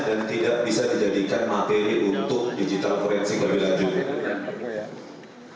dan tidak bisa dijadikan materi untuk digital forensik lebih lanjut